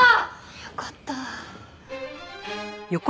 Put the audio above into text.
よかった。